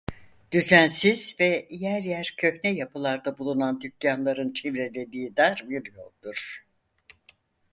Düzensiz ve yer yer köhne yapılarda bulunan dükkânların çevrelediği dar bir yoldur.